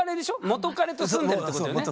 元カレと住んでるってことよね。